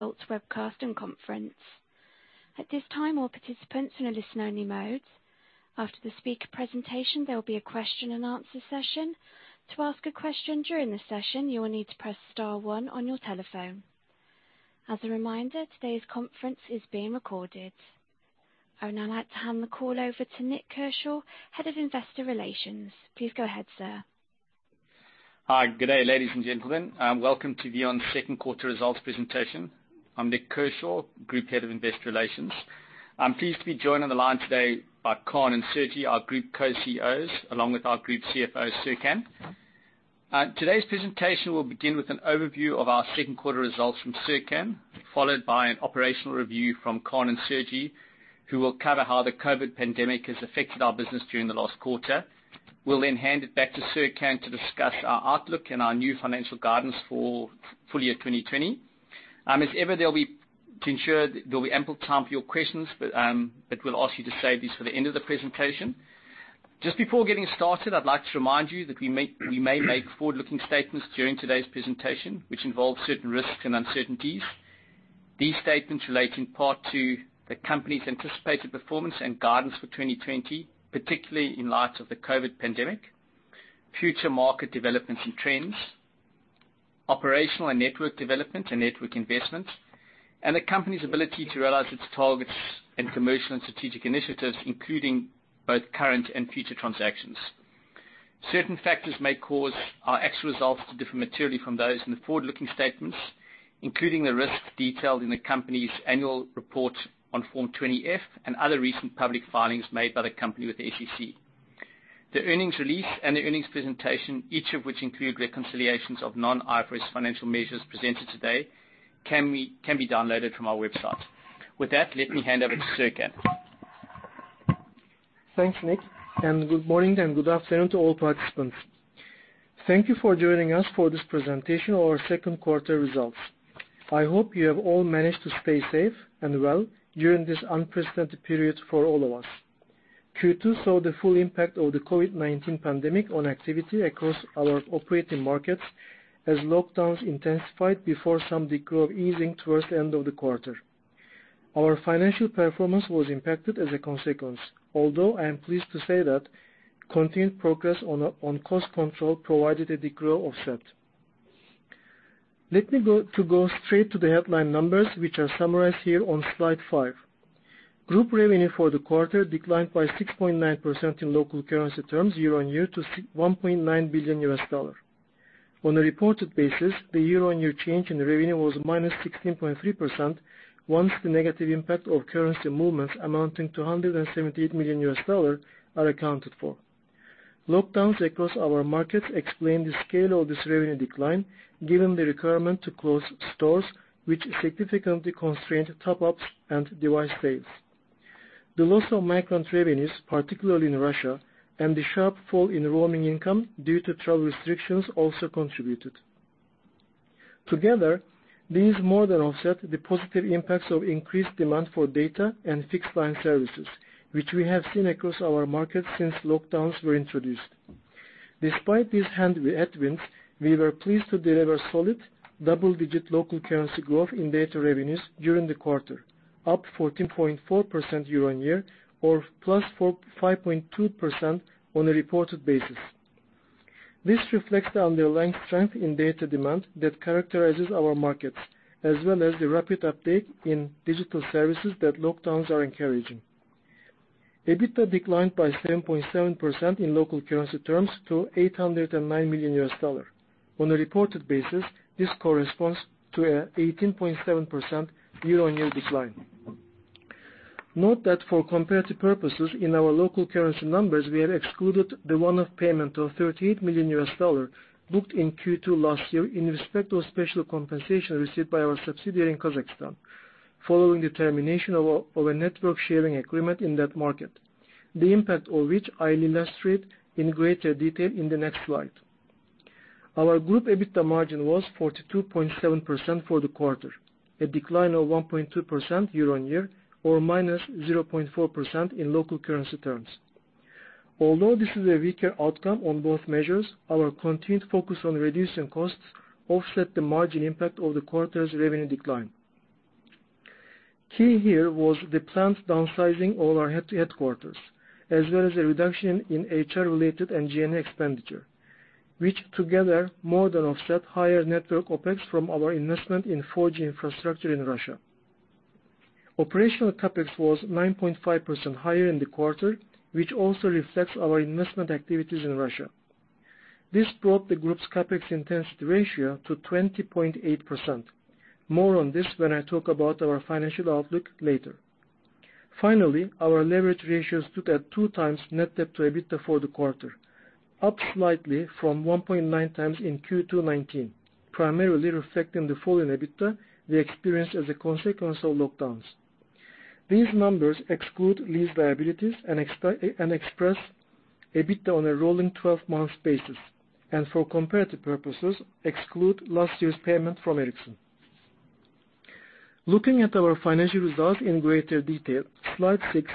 Results webcast and conference. I would now like to hand the call over to Nik Kershaw, Head of Investor Relations. Please go ahead, sir. Hi. Good day, ladies and gentlemen. Welcome to VEON's second quarter results presentation. I'm Nik Kershaw, Group Head of Investor Relations. I'm pleased to be joined on the line today by Kaan and Sergi, our Group Co-CEOs, along with our Group CFO, Serkan. Today's presentation will begin with an overview of our second quarter results from Serkan, followed by an operational review from Kaan and Sergi, who will cover how the COVID pandemic has affected our business during the last quarter. We'll then hand it back to Serkan to discuss our outlook and our new financial guidance for full year 2020. As ever, to ensure there will be ample time for your questions, but we'll ask you to save these for the end of the presentation. Just before getting started, I'd like to remind you that we may make forward-looking statements during today's presentation, which involve certain risks and uncertainties. These statements relate in part to the company's anticipated performance and guidance for 2020, particularly in light of the COVID-19 pandemic, future market developments and trends, operational and network development and network investments, and the company's ability to realize its targets and commercial and strategic initiatives, including both current and future transactions. Certain factors may cause our actual results to differ materially from those in the forward-looking statements, including the risks detailed in the company's annual report on Form 20-F and other recent public filings made by the company with the SEC. The earnings release and the earnings presentation, each of which include reconciliations of non-IFRS financial measures presented today, can be downloaded from our website. With that, let me hand over to Serkan. Thanks, Nik. Good morning and good afternoon to all participants. Thank you for joining us for this presentation of our second quarter results. I hope you have all managed to stay safe and well during this unprecedented period for all of us. Q2 saw the full impact of the COVID-19 pandemic on activity across our operating markets as lockdowns intensified before some degree of easing towards the end of the quarter. Our financial performance was impacted as a consequence, although I am pleased to say that continued progress on cost control provided a degree of offset. Let me go straight to the headline numbers, which are summarized here on slide five. Group revenue for the quarter declined by 6.9% in local currency terms year-on-year to $1.9 billion U.S. On a reported basis, the year-on-year change in revenue was -16.3% once the negative impact of currency movements amounting to $178 million are accounted for. Lockdowns across our markets explain the scale of this revenue decline, given the requirement to close stores, which significantly constrained top-ups and device sales. The loss of migrant revenues, particularly in Russia, and the sharp fall in roaming income due to travel restrictions, also contributed. Together, these more than offset the positive impacts of increased demand for data and fixed line services, which we have seen across our markets since lockdowns were introduced. Despite these headwinds, we were pleased to deliver solid double-digit local currency growth in data revenues during the quarter, up 14.4% year-on-year or +5.2% on a reported basis. This reflects the underlying strength in data demand that characterizes our markets, as well as the rapid uptake in digital services that lockdowns are encouraging. EBITDA declined by 7.7% in local currency terms to $809 million. On a reported basis, this corresponds to an 18.7% year-on-year decline. Note that for comparative purposes in our local currency numbers, we have excluded the one-off payment of $38 million booked in Q2 last year in respect of special compensation received by our subsidiary in Kazakhstan following the termination of a network sharing agreement in that market, the impact of which I'll illustrate in greater detail in the next slide. Our group EBITDA margin was 42.7% for the quarter, a decline of 1.2% year-on-year or -0.4% in local currency terms. Although this is a weaker outcome on both measures, our continued focus on reducing costs offset the margin impact of the quarter's revenue decline. Key here was the planned downsizing of our headquarters, as well as a reduction in HR-related and G&A expenditure, which together more than offset higher network OpEx from our investment in 4G infrastructure in Russia. Operational CapEx was 9.5% higher in the quarter, which also reflects our investment activities in Russia. This brought the group's CapEx intensity ratio to 20.8%. More on this when I talk about our financial outlook later. Finally, our leverage ratios stood at 2 times net debt to EBITDA for the quarter, up slightly from 1.9 times in Q2 2019, primarily reflecting the fall in EBITDA we experienced as a consequence of lockdowns. These numbers exclude lease liabilities and express EBITDA on a rolling 12-month basis, and for comparative purposes, exclude last year's payment from Ericsson. Looking at our financial results in greater detail. Slide six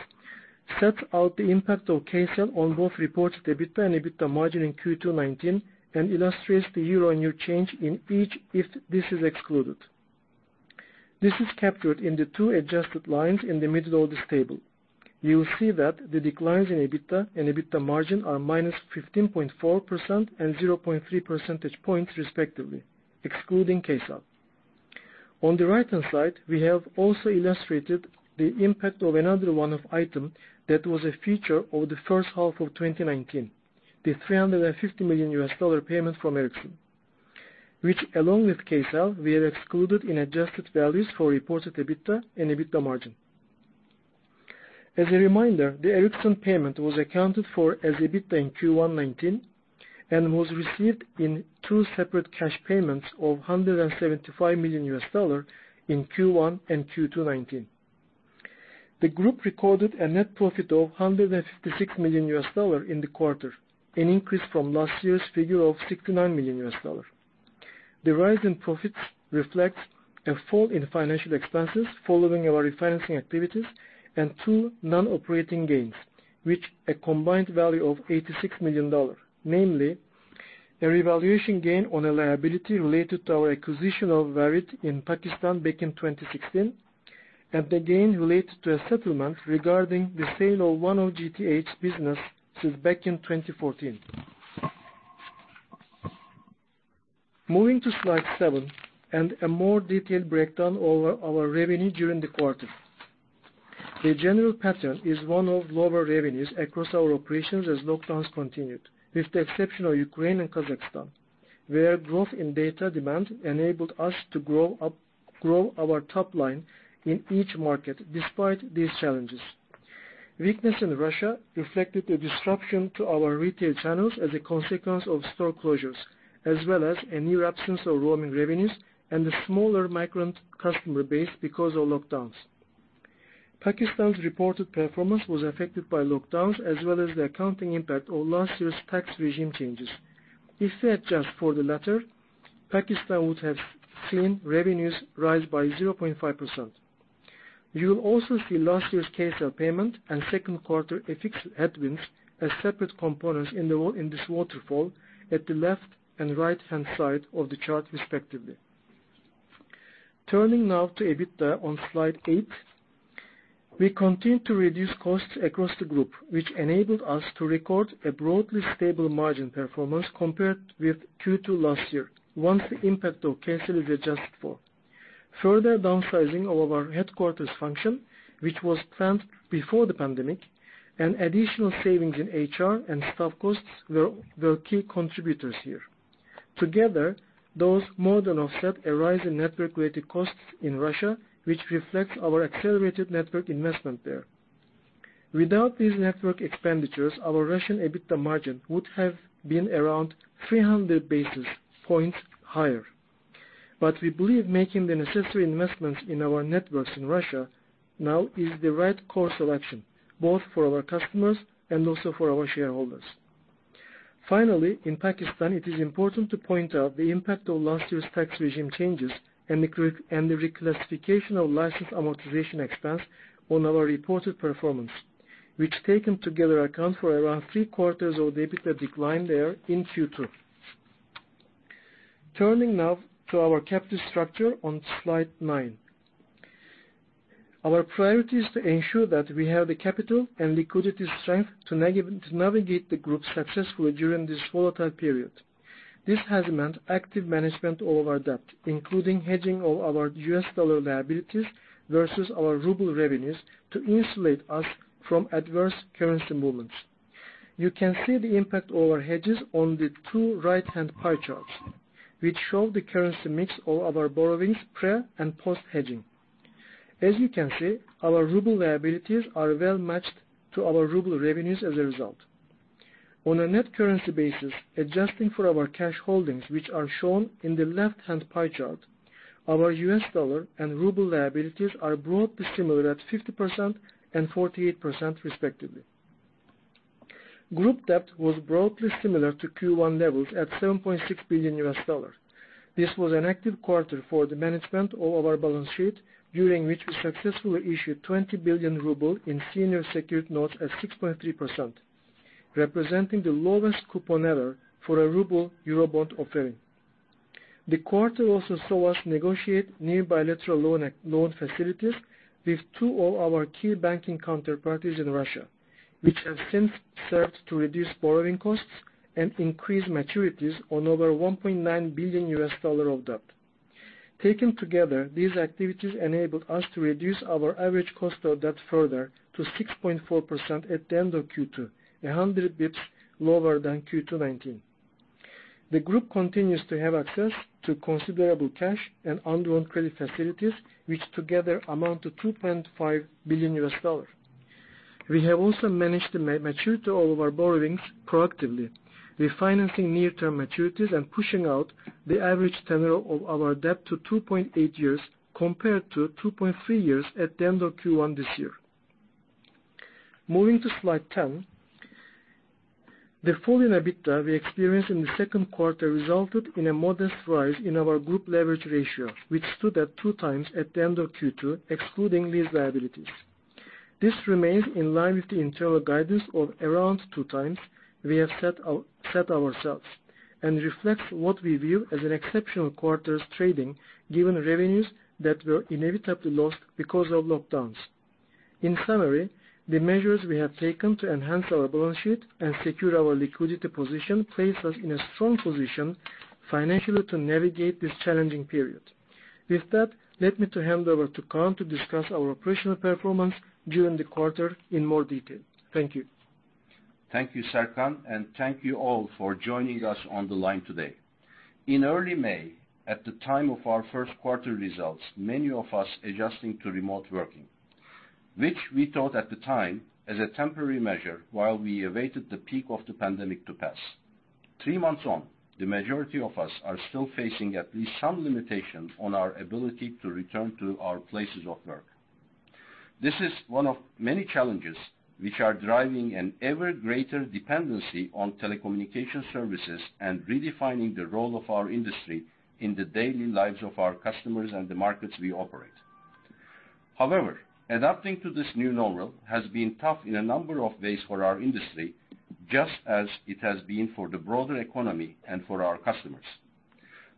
sets out the impact of Kcell on both reported EBITDA and EBITDA margin in Q2 2019 and illustrates the year-on-year change in each if this is excluded. This is captured in the two adjusted lines in the middle of this table. You will see that the declines in EBITDA and EBITDA margin are -15.4% and 0.3 percentage points, respectively, excluding Kcell. On the right-hand side, we have also illustrated the impact of another one-off item that was a feature of the first half of 2019, the $350 million payment from Ericsson, which along with Kcell, we have excluded in adjusted values for reported EBITDA and EBITDA margin. As a reminder, the Ericsson payment was accounted for as EBITDA in Q1 2019 and was received in two separate cash payments of $175 million in Q1 and Q2 2019. The group recorded a net profit of $156 million in the quarter, an increase from last year's figure of $69 million. The rise in profits reflects a fall in financial expenses following our refinancing activities and two non-operating gains, with a combined value of $86 million. Namely, a revaluation gain on a liability related to our acquisition of Warid in Pakistan back in 2016, and a gain related to a settlement regarding the sale of one of GTH's business since back in 2014. Moving to slide seven, and a more detailed breakdown of our revenue during the quarter. The general pattern is one of lower revenues across our operations as lockdowns continued. With the exception of Ukraine and Kazakhstan, where growth in data demand enabled us to grow our top line in each market despite these challenges. Weakness in Russia reflected a disruption to our retail channels as a consequence of store closures, as well as a near absence of roaming revenues and a smaller migrant customer base because of lockdowns. Pakistan's reported performance was affected by lockdowns, as well as the accounting impact of last year's tax regime changes. If we adjust for the latter, Pakistan would have seen revenues rise by 0.5%. You will also see last year's Kcell payment and second quarter FX headwinds as separate components in this waterfall at the left and right-hand side of the chart, respectively. Turning now to EBITDA on slide eight. We continued to reduce costs across the group, which enabled us to record a broadly stable margin performance compared with Q2 last year, once the impact of Kcell is adjusted for. Further downsizing of our headquarters function, which was planned before the pandemic, and additional savings in HR and staff costs were key contributors here. Together, those more than offset a rise in network-related costs in Russia, which reflects our accelerated network investment there. Without these network expenditures, our Russian EBITDA margin would have been around 300 basis points higher. We believe making the necessary investments in our networks in Russia now is the right course of action, both for our customers and also for our shareholders. Finally, in Pakistan, it is important to point out the impact of last year's tax regime changes and the reclassification of license amortization expense on our reported performance, which taken together account for around three-quarters of the EBITDA decline there in Q2. Turning now to our capital structure on slide nine. Our priority is to ensure that we have the capital and liquidity strength to navigate the group successfully during this volatile period. This has meant active management of our debt, including hedging of our U.S. dollar liabilities versus our ruble revenues to insulate us from adverse currency movements. You can see the impact of our hedges on the two right-hand pie charts, which show the currency mix of our borrowings pre and post hedging. As you can see, our ruble liabilities are well matched to our ruble revenues as a result. On a net currency basis, adjusting for our cash holdings, which are shown in the left-hand pie chart, our US dollar and ruble liabilities are broadly similar at 50% and 48%, respectively. Group debt was broadly similar to Q1 levels at $7.6 billion. This was an active quarter for the management of our balance sheet, during which we successfully issued 20 billion rubles in senior secured notes at 6.3%, representing the lowest coupon ever for a ruble Eurobond offering. The quarter also saw us negotiate new bilateral loan facilities with two of our key banking counterparties in Russia, which have since served to reduce borrowing costs and increase maturities on over $1.9 billion of debt. Taken together, these activities enabled us to reduce our average cost of debt further to 6.4% at the end of Q2, 100 basis points lower than Q2 2019. The group continues to have access to considerable cash and undrawn credit facilities, which together amount to $2.5 billion. We have also managed the maturity of our borrowings proactively, refinancing near-term maturities and pushing out the average tenure of our debt to 2.8 years, compared to 2.3 years at the end of Q1 this year. Moving to slide 10. The fall in EBITDA we experienced in the second quarter resulted in a modest rise in our group leverage ratio, which stood at two times at the end of Q2, excluding lease liabilities. This remains in line with the internal guidance of around two times we have set ourselves and reflects what we view as an exceptional quarter's trading, given revenues that were inevitably lost because of lockdowns. In summary, the measures we have taken to enhance our balance sheet and secure our liquidity position place us in a strong position financially to navigate this challenging period. With that, let me hand over to Kaan to discuss our operational performance during the quarter in more detail. Thank you. Thank you, Serkan, and thank you all for joining us on the line today. In early May, at the time of our first quarter results, many of us adjusting to remote working, which we thought at the time as a temporary measure while we awaited the peak of the pandemic to pass. Three months on, the majority of us are still facing at least some limitation on our ability to return to our places of work. This is one of many challenges which are driving an ever greater dependency on telecommunication services and redefining the role of our industry in the daily lives of our customers and the markets we operate. However, adapting to this new normal has been tough in a number of ways for our industry, just as it has been for the broader economy and for our customers.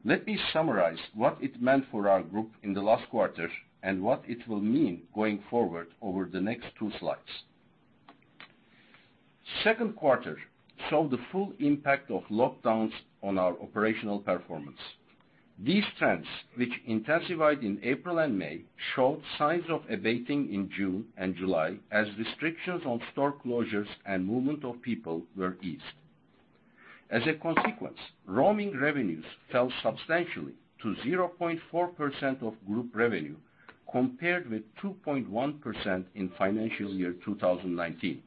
Let me summarize what it meant for our group in the last quarter and what it will mean going forward over the next two slides. Second quarter saw the full impact of lockdowns on our operational performance. These trends, which intensified in April and May, showed signs of abating in June and July as restrictions on store closures and movement of people were eased. As a consequence, roaming revenues fell substantially to 0.4% of group revenue, compared with 2.1% in financial year 2019.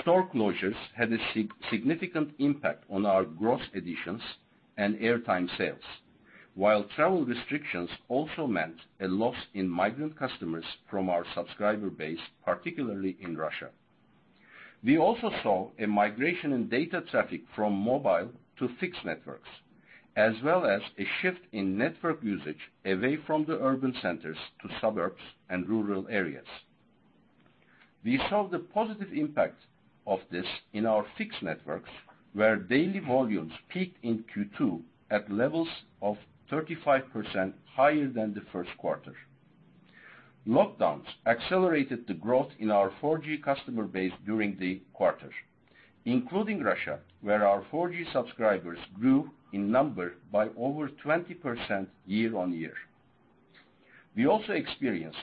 Store closures had a significant impact on our gross additions and airtime sales, while travel restrictions also meant a loss in migrant customers from our subscriber base, particularly in Russia. We also saw a migration in data traffic from mobile to fixed networks, as well as a shift in network usage away from the urban centers to suburbs and rural areas. We saw the positive impact of this in our fixed networks, where daily volumes peaked in Q2 at levels of 35% higher than the first quarter. Lockdowns accelerated the growth in our 4G customer base during the quarter, including Russia, where our 4G subscribers grew in number by over 20% year-on-year. We also experienced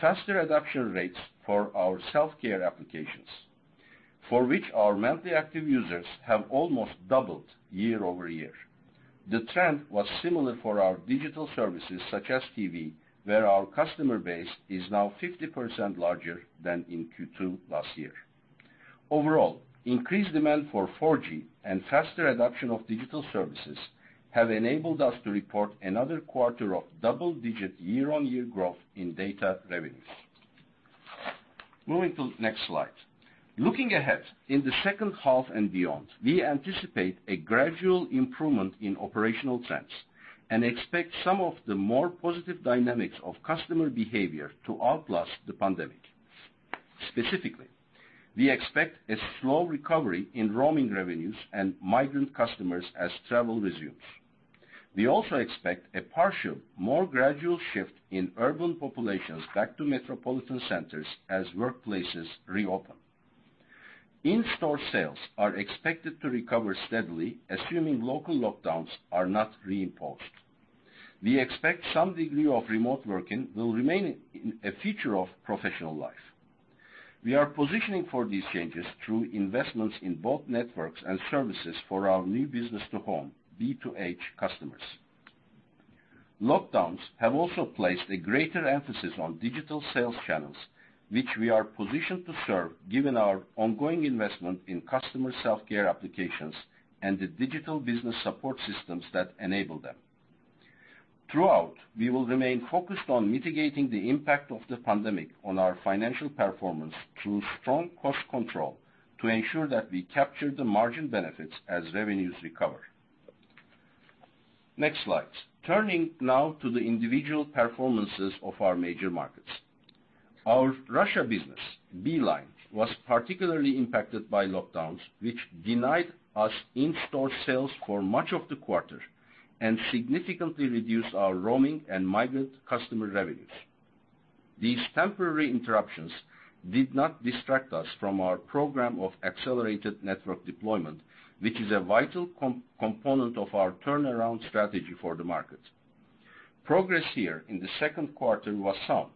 faster adoption rates for our self-care applications, for which our monthly active users have almost doubled year-over-year. The trend was similar for our digital services such as TV, where our customer base is now 50% larger than in Q2 last year. Overall, increased demand for 4G and faster adoption of digital services have enabled us to report another quarter of double-digit year-on-year growth in data revenues. Moving to the next slide. Looking ahead, in the second half and beyond, we anticipate a gradual improvement in operational trends and expect some of the more positive dynamics of customer behavior to outlast the pandemic. Specifically, we expect a slow recovery in roaming revenues and migrant customers as travel resumes. We also expect a partial, more gradual shift in urban populations back to metropolitan centers as workplaces reopen. In-store sales are expected to recover steadily, assuming local lockdowns are not re-imposed. We expect some degree of remote working will remain a feature of professional life. We are positioning for these changes through investments in both networks and services for our new business to home, B2H customers. Lockdowns have also placed a greater emphasis on digital sales channels, which we are positioned to serve given our ongoing investment in customer self-care applications and the digital business support systems that enable them. Throughout, we will remain focused on mitigating the impact of the pandemic on our financial performance through strong cost control to ensure that we capture the margin benefits as revenues recover. Next slide. Turning now to the individual performances of our major markets. Our Russia business, Beeline, was particularly impacted by lockdowns, which denied us in-store sales for much of the quarter and significantly reduced our roaming and migrant customer revenues. These temporary interruptions did not distract us from our program of accelerated network deployment, which is a vital component of our turnaround strategy for the market. Progress here in the second quarter was sound,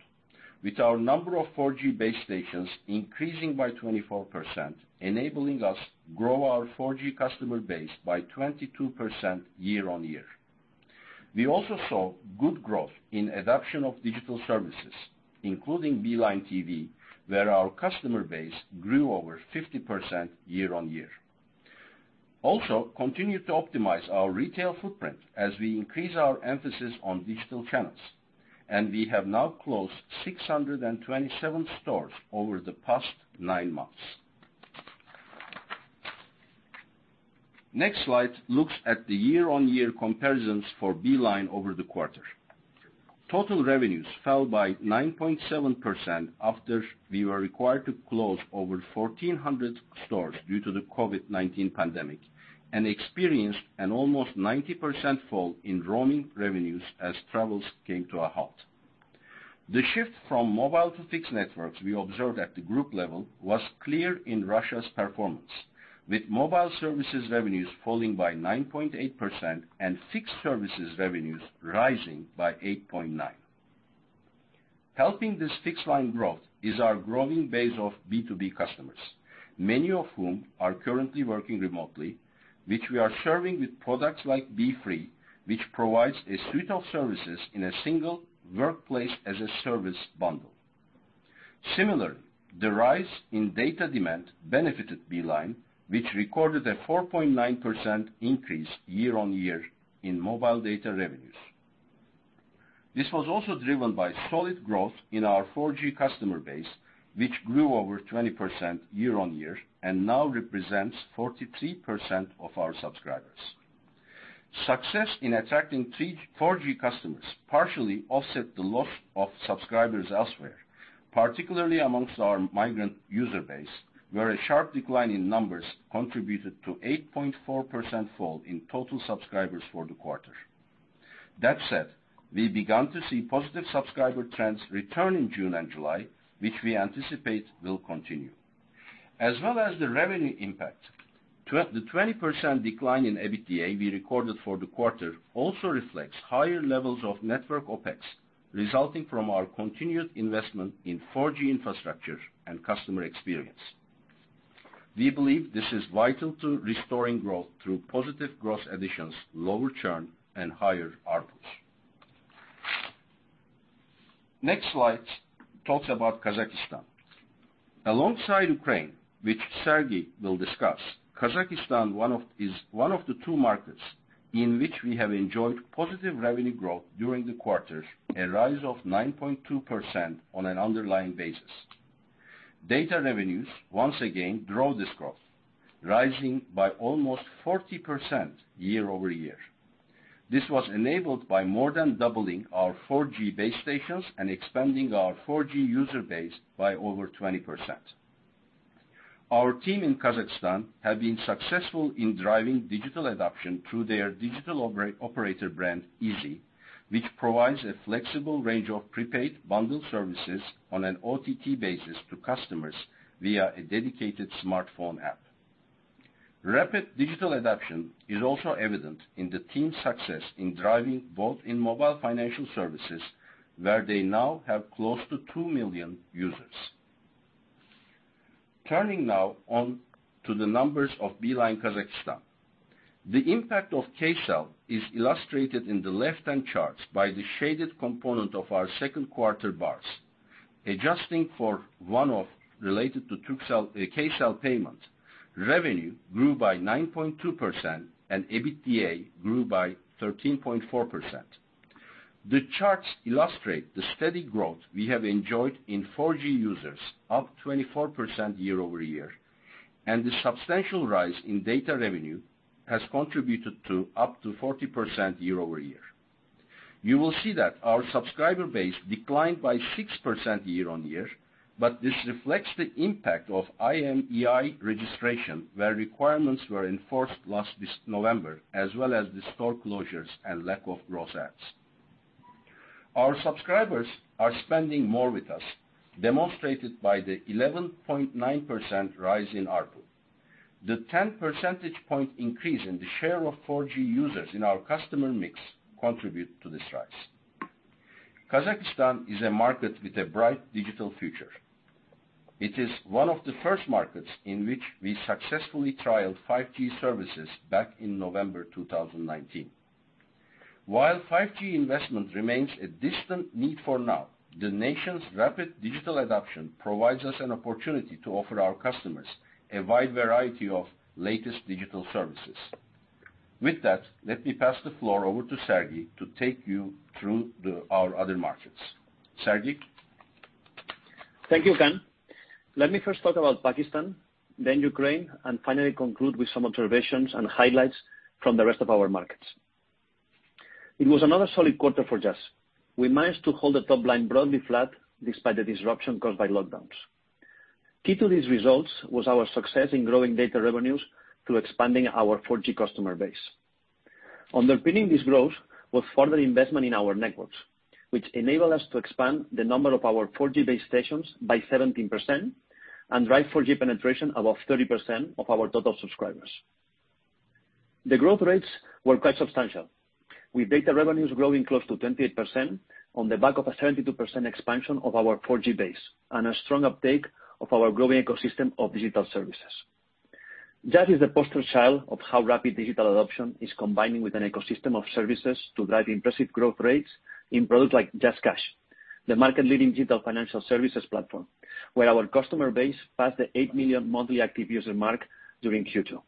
with our number of 4G base stations increasing by 24%, enabling us grow our 4G customer base by 22% year-on-year. We also saw good growth in adoption of digital services, including Beeline TV, where our customer base grew over 50% year-on-year. Also, continue to optimize our retail footprint as we increase our emphasis on digital channels, and we have now closed 627 stores over the past nine months. Next slide looks at the year-on-year comparisons for Beeline over the quarter. Total revenues fell by 9.7% after we were required to close over 1,400 stores due to the COVID-19 pandemic and experienced an almost 90% fall in roaming revenues as travels came to a halt. The shift from mobile to fixed networks we observed at the group level was clear in Russia's performance, with mobile services revenues falling by 9.8% and fixed services revenues rising by 8.9%. Helping this fixed line growth is our growing base of B2B customers, many of whom are currently working remotely, which we are serving with products like BeeFREE, which provides a suite of services in a single workplace as a service bundle. Similarly, the rise in data demand benefited Beeline, which recorded a 4.9% increase year-on-year in mobile data revenues. This was also driven by solid growth in our 4G customer base, which grew over 20% year-on-year and now represents 43% of our subscribers. Success in attracting 4G customers partially offset the loss of subscribers elsewhere, particularly amongst our migrant user base, where a sharp decline in numbers contributed to 8.4% fall in total subscribers for the quarter. That said, we began to see positive subscriber trends return in June and July, which we anticipate will continue. As well as the revenue impact, the 20% decline in EBITDA we recorded for the quarter also reflects higher levels of network OpEx resulting from our continued investment in 4G infrastructure and customer experience. We believe this is vital to restoring growth through positive gross additions, lower churn, and higher ARPU. Next slide talks about Kazakhstan. Alongside Ukraine, which Sergi will discuss, Kazakhstan is one of the two markets in which we have enjoyed positive revenue growth during the quarter, a rise of 9.2% on an underlying basis. Data revenues once again drove this growth, rising by almost 40% year-over-year. This was enabled by more than doubling our 4G base stations and expanding our 4G user base by over 20%. Our team in Kazakhstan have been successful in driving digital adoption through their digital operator brand, Izi, which provides a flexible range of prepaid bundle services on an OTT basis to customers via a dedicated smartphone app. Rapid digital adoption is also evident in the team's success in driving both in mobile financial services, where they now have close to 2 million users. Turning now on to the numbers of Beeline Kazakhstan. The impact of Kcell is illustrated in the left-hand charts by the shaded component of our second quarter bars. Adjusting for one-off related to Kcell payment, revenue grew by 9.2% and EBITDA grew by 13.4%. The charts illustrate the steady growth we have enjoyed in 4G users, up 24% year-over-year, and the substantial rise in data revenue has contributed to up to 40% year-over-year. You will see that our subscriber base declined by 6% year-on-year. This reflects the impact of IMEI registration, where requirements were enforced last November, as well as the store closures and lack of gross ads. Our subscribers are spending more with us, demonstrated by the 11.9% rise in ARPU. The 10 percentage point increase in the share of 4G users in our customer mix contribute to this rise. Kazakhstan is a market with a bright digital future. It is one of the first markets in which we successfully trialed 5G services back in November 2019. While 5G investment remains a distant need for now, the nation's rapid digital adoption provides us an opportunity to offer our customers a wide variety of latest digital services. With that, let me pass the floor over to Sergi to take you through our other markets. Sergi? Thank you, Kaan. Let me first talk about Pakistan, then Ukraine, and finally conclude with some observations and highlights from the rest of our markets. It was another solid quarter for Jazz. We managed to hold the top line broadly flat despite the disruption caused by lockdowns. Key to these results was our success in growing data revenues through expanding our 4G customer base. Underpinning this growth was further investment in our networks, which enable us to expand the number of our 4G base stations by 17% and drive 4G penetration above 30% of our total subscribers. The growth rates were quite substantial, with data revenues growing close to 28% on the back of a 32% expansion of our 4G base and a strong uptake of our growing ecosystem of digital services. Jazz is the poster child of how rapid digital adoption is combining with an ecosystem of services to drive impressive growth rates in products like JazzCash. The market leading digital financial services platform, where our customer base passed the 8 million monthly active user mark during Q2.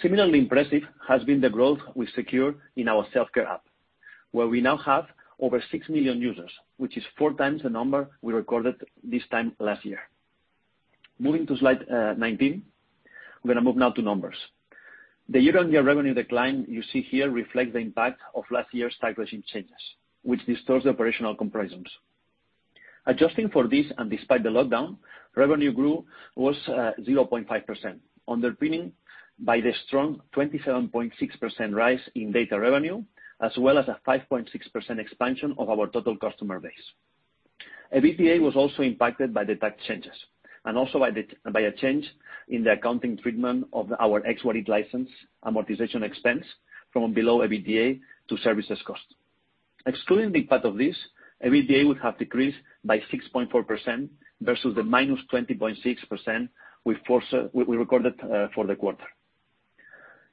Similarly impressive has been the growth we secure in our self-care app, where we now have over 6 million users, which is four times the number we recorded this time last year. Moving to slide 19. We're going to move now to numbers. The year-on-year revenue decline you see here reflects the impact of last year's tax regime changes, which distorts the operational comparisons. Adjusting for this, and despite the lockdown, revenue grew was 0.5%, underpinned by the strong 27.6% rise in data revenue, as well as a 5.6% expansion of our total customer base. EBITDA was also impacted by the tax changes and also by a change in the accounting treatment of our Warid license amortization expense from below EBITDA to services cost. Excluding the impact of this, EBITDA would have decreased by 6.4% versus the -20.6% we recorded for the quarter.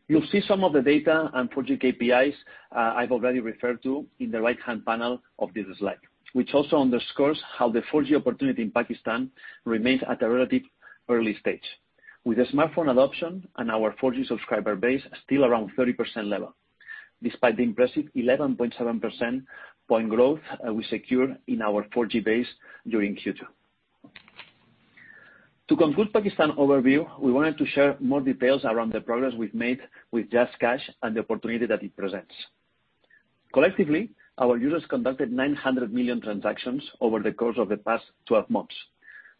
You'll see some of the data and 4G KPIs I've already referred to in the right-hand panel of this slide, which also underscores how the 4G opportunity in Pakistan remains at a relative early stage, with a smartphone adoption and our 4G subscriber base still around 30% level, despite the impressive 11.7% point growth we secure in our 4G base during Q2. To conclude Pakistan overview, we wanted to share more details around the progress we've made with JazzCash and the opportunity that it presents. Collectively, our users conducted 900 million transactions over the course of the past 12 months,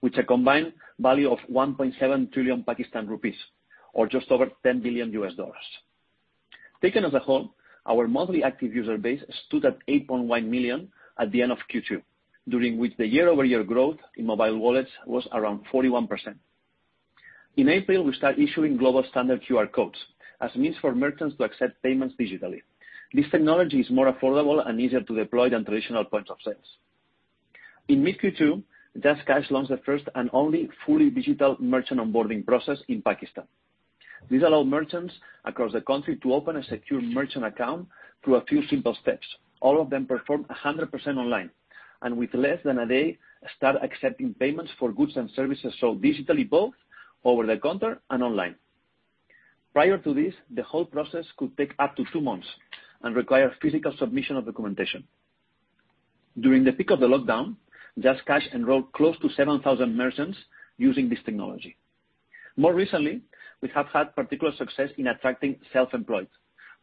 with a combined value of PKR 1.7 trillion, or just over $10 billion. Taken as a whole, our monthly active user base stood at 8.1 million at the end of Q2, during which the year-over-year growth in mobile wallets was around 41%. In April, we start issuing global standard QR codes as a means for merchants to accept payments digitally. This technology is more affordable and easier to deploy than traditional points of sales. In mid-Q2, JazzCash launched the first and only fully digital merchant onboarding process in Pakistan. This allow merchants across the country to open a secure merchant account through a few simple steps, all of them performed 100% online, and with less than a day, start accepting payments for goods and services sold digitally, both over the counter and online. Prior to this, the whole process could take up to two months and require physical submission of documentation. During the peak of the lockdown, JazzCash enrolled close to 7,000 merchants using this technology. More recently, we have had particular success in attracting self-employed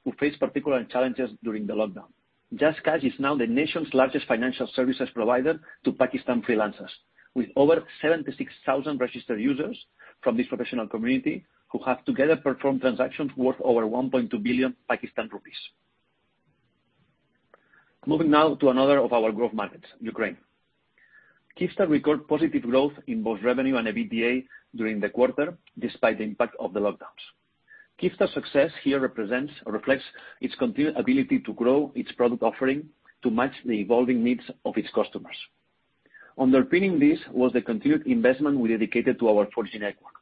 who face particular challenges during the lockdown. JazzCash is now the nation's largest financial services provider to Pakistan freelancers, with over 76,000 registered users from this professional community who have together performed transactions worth over PKR 1.2 billion. Moving now to another of our growth markets, Ukraine. Kyivstar record positive growth in both revenue and EBITDA during the quarter, despite the impact of the lockdowns. Kyivstar success here reflects its continued ability to grow its product offering to match the evolving needs of its customers. Underpinning this was the continued investment we dedicated to our 4G network,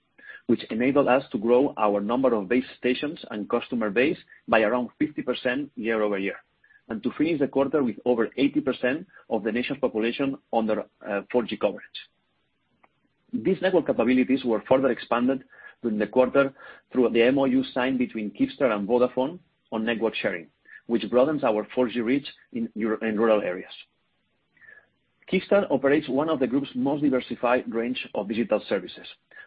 which enabled us to grow our number of base stations and customer base by around 50% year-over-year, and to finish the quarter with over 80% of the nation's population under 4G coverage. These network capabilities were further expanded during the quarter through the MOU signed between Kyivstar and Vodafone on network sharing, which broadens our 4G reach in rural areas. Kyivstar operates one of the group's most diversified range of digital services,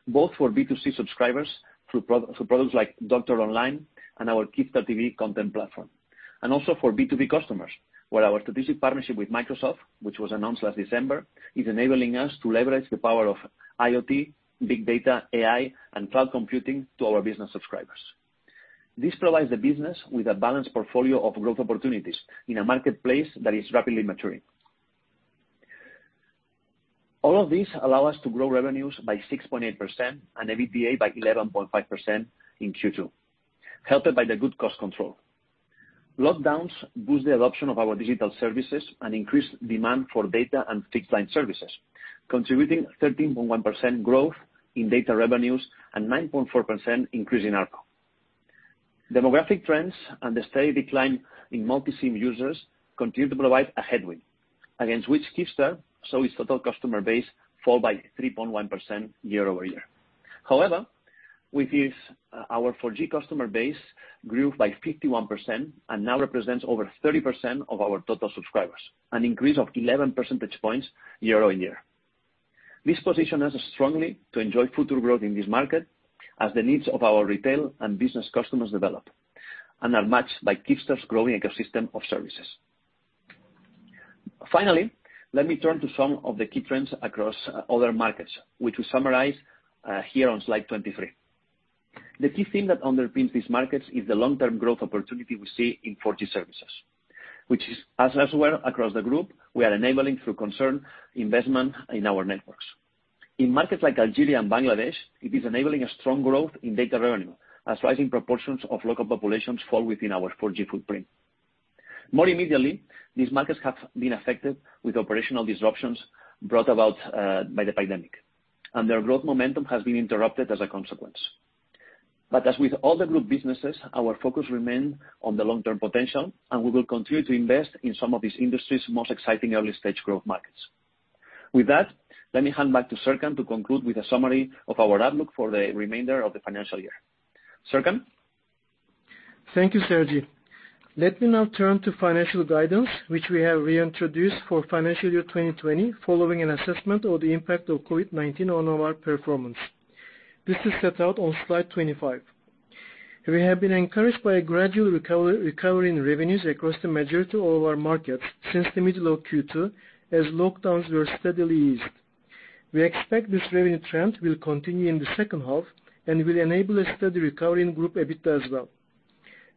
both for B2C subscribers through products like Doctor Online and our Kyivstar TV content platform, and also for B2B customers, where our strategic partnership with Microsoft, which was announced last December, is enabling us to leverage the power of IoT, big data, AI, and cloud computing to our business subscribers. This provides the business with a balanced portfolio of growth opportunities in a marketplace that is rapidly maturing. All of this allow us to grow revenues by 6.8% and EBITDA by 11.5% in Q2, helped by the good cost control. Lockdowns boost the adoption of our digital services and increase demand for data and fixed-line services, contributing 13.1% growth in data revenues and 9.4% increase in ARPU. Demographic trends and the steady decline in multi-SIM users continue to provide a headwind, against which Kyivstar, so its total customer base, fall by 3.1% year-over-year. However, our 4G customer base grew by 51% and now represents over 30% of our total subscribers, an increase of 11 percentage points year-over-year. This position has strongly to enjoy future growth in this market as the needs of our retail and business customers develop, and are matched by Kyivstar's growing ecosystem of services. Finally, let me turn to some of the key trends across other markets, which we summarize here on slide 23. The key theme that underpins these markets is the long-term growth opportunity we see in 4G services, which is as well across the group, we are enabling through concerted investment in our networks. In markets like Algeria and Bangladesh, it is enabling a strong growth in data revenue as rising proportions of local populations fall within our 4G footprint. More immediately, these markets have been affected with operational disruptions brought about by the pandemic, and their growth momentum has been interrupted as a consequence. As with all the group businesses, our focus remains on the long-term potential, and we will continue to invest in some of this industry's most exciting early-stage growth markets. With that, let me hand back to Serkan to conclude with a summary of our outlook for the remainder of the financial year. Serkan? Thank you, Sergi. Let me now turn to financial guidance, which we have reintroduced for financial year 2020 following an assessment of the impact of COVID-19 on our performance. This is set out on slide 25. We have been encouraged by a gradual recovery in revenues across the majority of our markets since the middle of Q2, as lockdowns were steadily eased. We expect this revenue trend will continue in the second half and will enable a steady recovery in group EBITDA as well.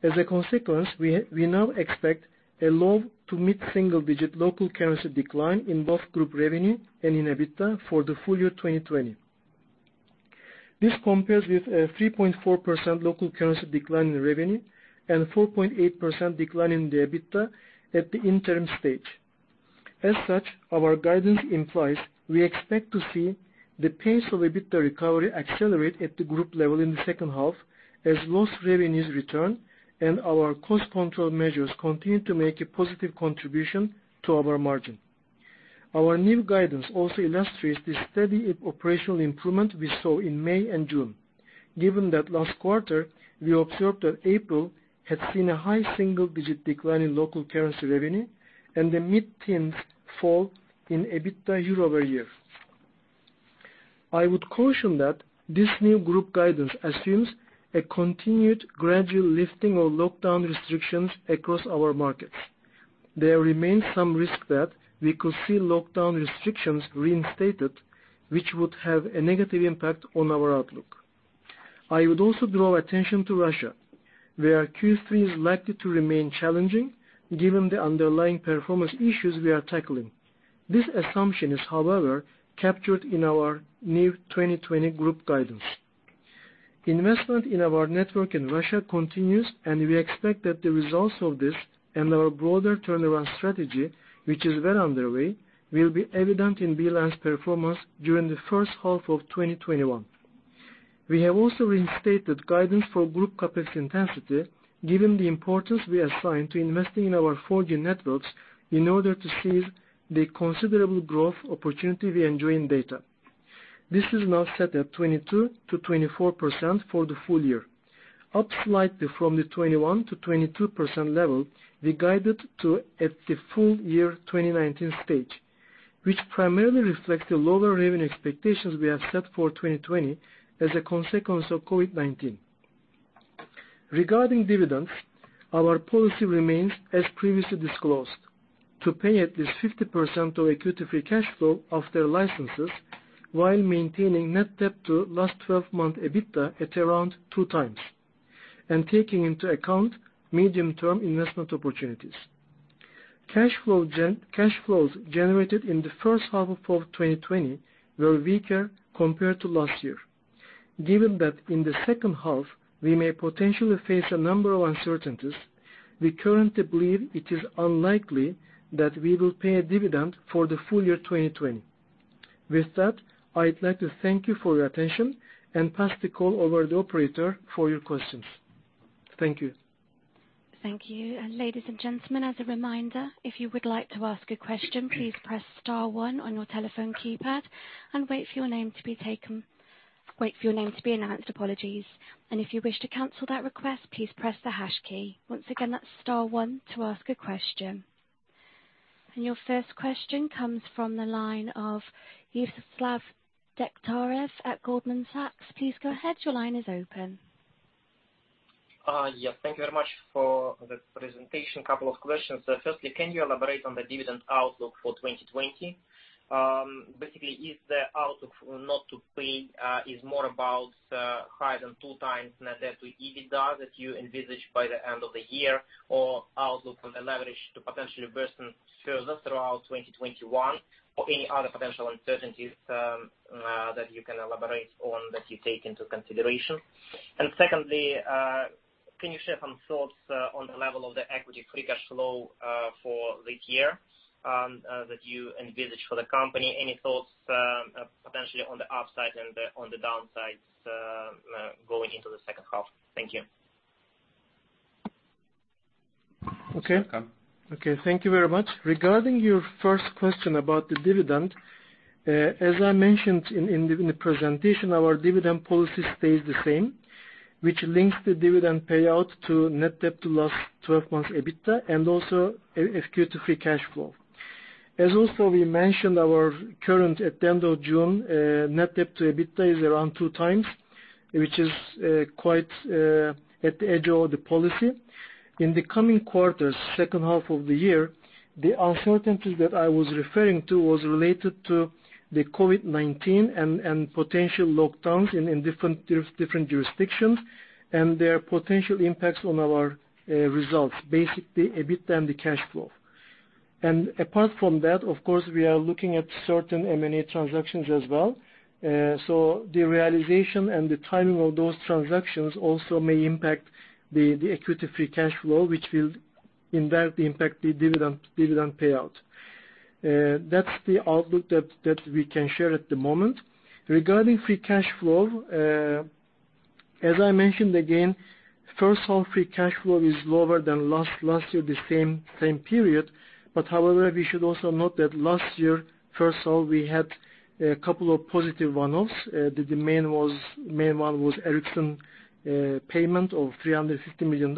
As a consequence, we now expect a low to mid-single digit local currency decline in both group revenue and in EBITDA for the full year 2020. This compares with a 3.4% local currency decline in revenue and 4.8% decline in the EBITDA at the interim stage. As such, our guidance implies we expect to see the pace of EBITDA recovery accelerate at the group level in the second half as lost revenues return and our cost control measures continue to make a positive contribution to our margin. Our new guidance also illustrates the steady operational improvement we saw in May and June. Given that last quarter, we observed that April had seen a high single-digit decline in local currency revenue and a mid-teens fall in EBITDA year-over-year. I would caution that this new group guidance assumes a continued gradual lifting of lockdown restrictions across our markets. There remains some risk that we could see lockdown restrictions reinstated, which would have a negative impact on our outlook. I would also draw attention to Russia, where Q3 is likely to remain challenging given the underlying performance issues we are tackling. This assumption is, however, captured in our new 2020 group guidance. Investment in our network in Russia continues, and we expect that the results of this and our broader turnaround strategy, which is well underway, will be evident in Beeline's performance during the first half of 2021. We have also reinstated guidance for group CapEx intensity, given the importance we assign to investing in our 4G networks in order to seize the considerable growth opportunity we enjoy in data. This is now set at 22%-24% for the full year, up slightly from the 21%-22% level we guided to at the full year 2019 stage, which primarily reflects the lower revenue expectations we have set for 2020 as a consequence of COVID-19. Regarding dividends, our policy remains as previously disclosed: to pay at least 50% of equity free cash flow after licenses while maintaining net debt to last 12-month EBITDA at around two times and taking into account medium-term investment opportunities. Cash flows generated in the first half of 2020 were weaker compared to last year. Given that in the second half, we may potentially face a number of uncertainties, we currently believe it is unlikely that we will pay a dividend for the full year 2020. With that, I'd like to thank you for your attention and pass the call over to the operator for your questions. Thank you. Thank you. Ladies and gentlemen, as a reminder, if you would like to ask a question, please press star one on your telephone keypad and wait for your name to be taken. Wait for your name to be announced. Apologies. If you wish to cancel that request, please press the hash key. Once again, that's star one to ask a question. Your first question comes from the line of uncertain at Goldman Sachs. Please go ahead. Your line is open. Yes, thank you very much for the presentation. Couple of questions. Firstly, can you elaborate on the dividend outlook for 2020? Basically, is the outlook not to pay is more about higher than 2x net debt to EBITDA that you envisage by the end of the year, or outlook on the leverage to potentially worsen further throughout 2021, or any other potential uncertainties that you can elaborate on that you take into consideration? Secondly, can you share some thoughts on the level of the equity free cash flow for this year that you envisage for the company? Any thoughts potentially on the upside and on the downsides going into the second half? Thank you. Okay. Serkan. Okay. Thank you very much. Regarding your first question about the dividend, as I mentioned in the presentation, our dividend policy stays the same, which links the dividend payout to net debt to last 12 months EBITDA, and also acute free cash flow. As also we mentioned, our current at the end of June, net debt to EBITDA is around two times, which is quite at the edge of the policy. In the coming quarters, second half of the year, the uncertainty that I was referring to was related to the COVID-19 and potential lockdowns in different jurisdictions and their potential impacts on our results, basically EBITDA and the cash flow. Apart from that, of course, we are looking at certain M&A transactions as well. The realization and the timing of those transactions also may impact the equity free cash flow, which will impact the dividend payout. That's the outlook that we can share at the moment. Regarding free cash flow, as I mentioned again, first-half free cash flow is lower than last year, the same period. However, we should also note that last year, first half, we had a couple of positive one-offs. The main one was Ericsson payment of $350 million.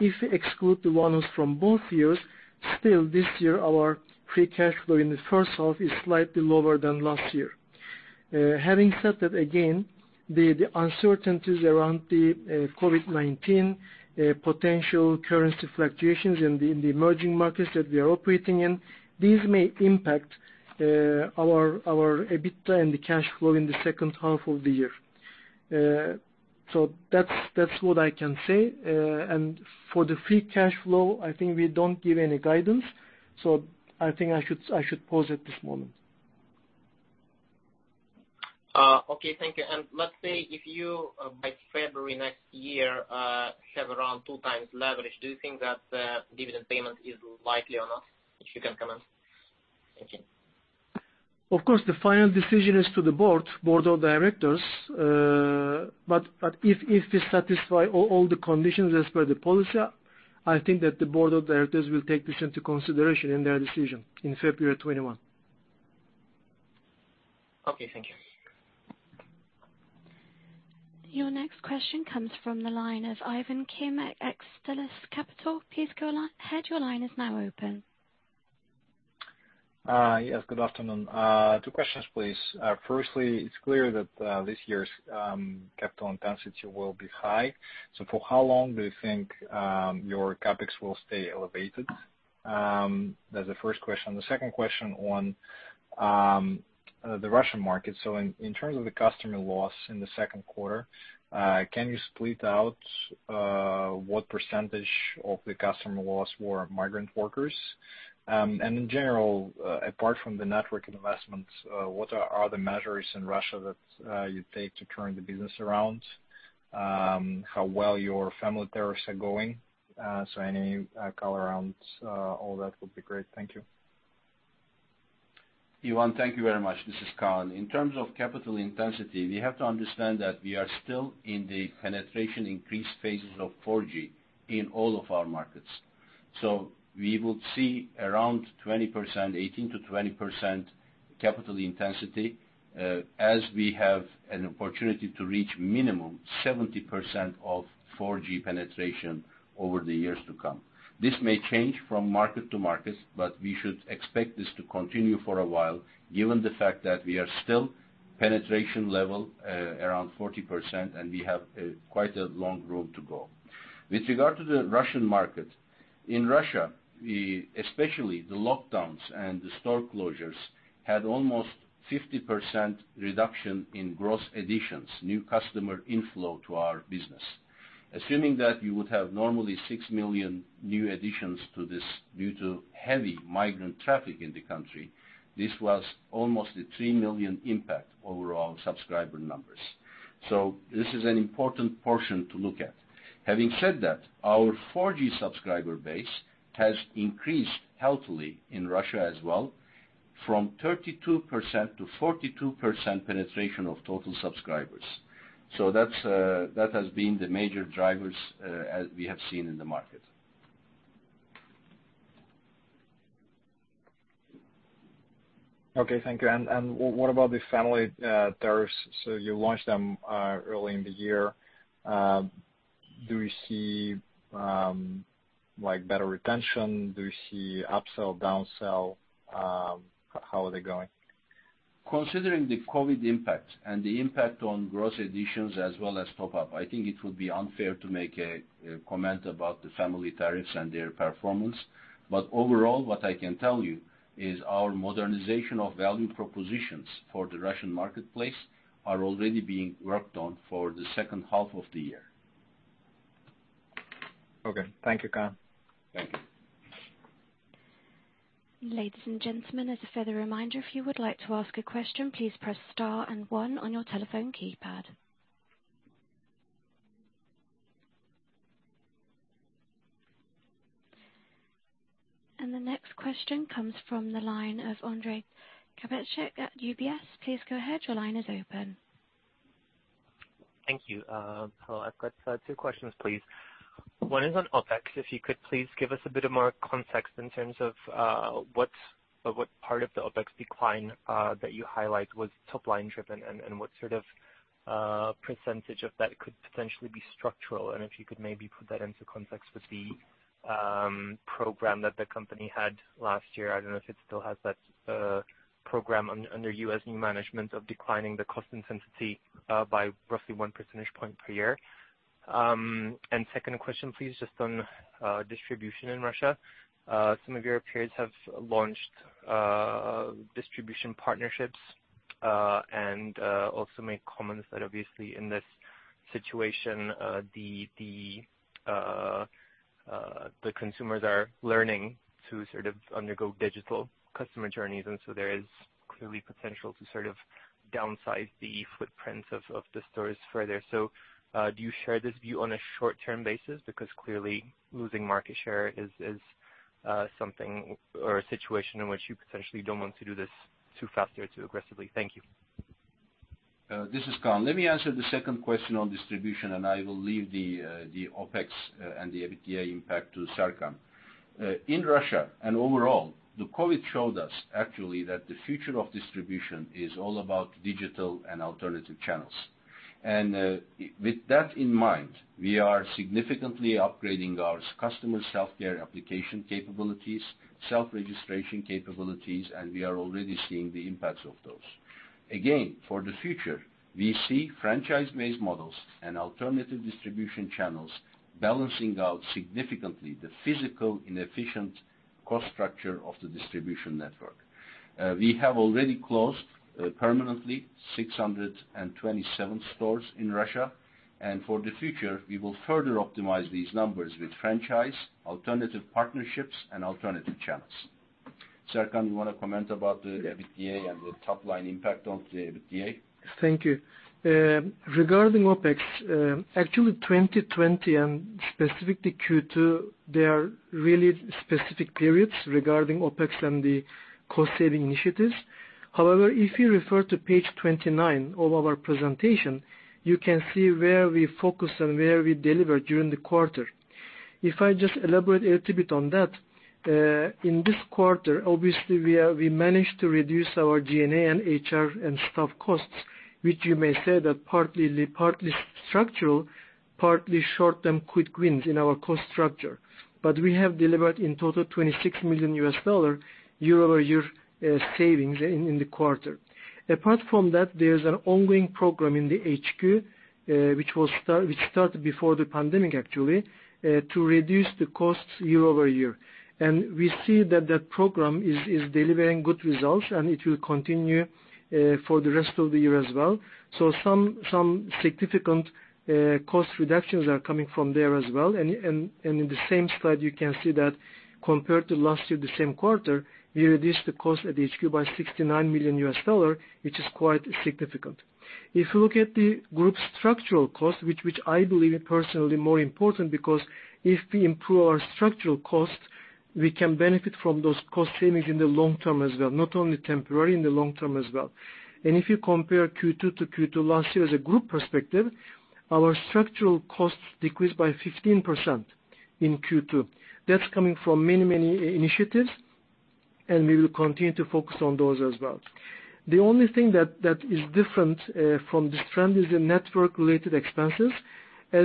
If we exclude the one-offs from both years, still this year, our free cash flow in the first half is slightly lower than last year. Having said that, again, the uncertainties around the COVID-19, potential currency fluctuations in the emerging markets that we are operating in, these may impact our EBITDA and the cash flow in the second half of the year. That's what I can say. For the free cash flow, I think we don't give any guidance, so I think I should pause it this moment. Okay, thank you. Let's say if you, by February next year have around 2x leverage, do you think that dividend payment is likely or not? If you can comment. Thank you. Of course, the final decision is to the board of directors, but if we satisfy all the conditions as per the policy, I think that the board of directors will take this into consideration in their decision in February 2021. Okay, thank you. Your next question comes from the line of Ivan Kim at Xtellus Capital. Please go ahead. Your line is now open. Yes, good afternoon. Two questions, please. Firstly, it's clear that this year's capital intensity will be high. For how long do you think your CapEx will stay elevated? That's the first question. The second question on the Russian market. In terms of the customer loss in the second quarter, can you split out what % of the customer loss were migrant workers? In general, apart from the network investments, what are the measures in Russia that you take to turn the business around? How well your family tariffs are going? Any color around all that would be great. Thank you. Ivan, thank you very much. This is Kaan. In terms of capital intensity, we have to understand that we are still in the penetration increase phases of 4G in all of our markets. We would see around 18%-20% capital intensity, as we have an opportunity to reach minimum 70% of 4G penetration over the years to come. This may change from market to market, but we should expect this to continue for a while, given the fact that we are still penetration level around 40% and we have quite a long road to go. With regard to the Russian market, in Russia, especially the lockdowns and the store closures, had almost 50% reduction in gross additions, new customer inflow to our business. Assuming that you would have normally 6 million new additions to this due to heavy migrant traffic in the country, this was almost a 3 million impact overall subscriber numbers. This is an important portion to look at. Having said that, our 4G subscriber base has increased healthily in Russia as well from 32% to 42% penetration of total subscribers. That has been the major drivers as we have seen in the market. Okay, thank you. What about the family tariffs? You launched them early in the year. Do you see better retention? Do you see upsell, downsell? How are they going? Considering the COVID-19 impact and the impact on gross additions as well as top-up, I think it would be unfair to make a comment about the family tariffs and their performance. Overall, what I can tell you is our modernization of value propositions for the Russian marketplace are already being worked on for the second half of the year. Okay. Thank you, Kaan. Thank you. Ladies and gentlemen, as a further reminder, if you would like to ask a question, please press star and one on your telephone keypad. The next question comes from the line of Andrey Krivoshik at UBS. Please go ahead, your line is open. Thank you. Hello, I've got two questions, please. One is on OpEx. If you could please give us a bit of more context in terms of what part of the OpEx decline that you highlight was top-line driven, and what sort of percentage of that could potentially be structural? If you could maybe put that into context with the program that the company had last year. I don't know if it still has that program under you as new management of declining the cost intensity by roughly one percentage point per year. Second question please, just on distribution in Russia. Some of your peers have launched distribution partnerships, and also made comments that obviously in this situation, the consumers are learning to sort of undergo digital customer journeys, and so there is clearly potential to downsize the footprints of the stores further. Do you share this view on a short-term basis? Because clearly losing market share is something or a situation in which you potentially don't want to do this too fast or too aggressively. Thank you. This is Kaan. Let me answer the second question on distribution, and I will leave the OpEx and the EBITDA impact to Serkan. In Russia and overall, the COVID showed us actually that the future of distribution is all about digital and alternative channels. With that in mind, we are significantly upgrading our customer self-care application capabilities, self-registration capabilities, and we are already seeing the impacts of those. Again, for the future, we see franchise-based models and alternative distribution channels balancing out significantly the physical inefficient cost structure of the distribution network. We have already closed permanently 627 stores in Russia, and for the future, we will further optimize these numbers with franchise, alternative partnerships, and alternative channels. Serkan, you want to comment about the EBITDA and the top-line impact on the EBITDA? Thank you. Regarding OpEx, actually 2020 and specifically Q2, they are really specific periods regarding OpEx and the cost-saving initiatives. However, if you refer to page 29 of our presentation, you can see where we focus and where we deliver during the quarter. If I just elaborate a little bit on that, in this quarter, obviously we managed to reduce our G&A and HR and staff costs, which you may say that partly structural, partly short-term quick wins in our cost structure. We have delivered in total $26 million year-over-year savings in the quarter. Apart from that, there's an ongoing program in the HQ, which started before the pandemic, actually, to reduce the costs year-over-year. We see that that program is delivering good results, and it will continue for the rest of the year as well. Some significant cost reductions are coming from there as well. In the same slide, you can see that compared to last year, the same quarter, we reduced the cost at HQ by $69 million, which is quite significant. If you look at the group structural cost, which I believe personally more important because if we improve our structural cost, we can benefit from those cost savings in the long term as well, not only temporary, in the long term as well. If you compare Q2 to Q2 last year as a group perspective, our structural costs decreased by 15% in Q2. That's coming from many initiatives, and we will continue to focus on those as well. The only thing that is different from this trend is the network-related expenses. As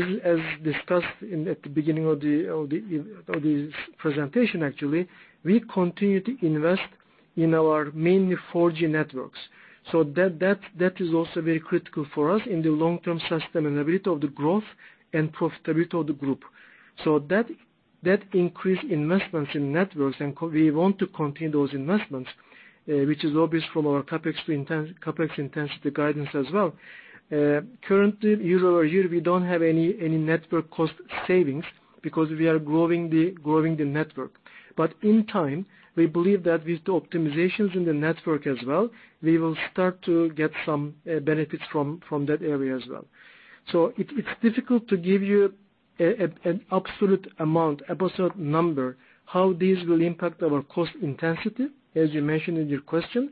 discussed at the beginning of this presentation actually, we continue to invest in our mainly 4G networks. That is also very critical for us in the long-term sustainability of the growth and profitability of the group. That increased investments in networks, and we want to continue those investments, which is obvious from our CapEx intensity guidance as well. Currently, year-over-year, we don't have any network cost savings because we are growing the network. In time, we believe that with the optimizations in the network as well, we will start to get some benefits from that area as well. It's difficult to give you an absolute amount, absolute number, how this will impact our cost intensity, as you mentioned in your question.